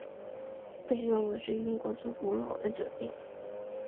被认为是英国最古老的酒店。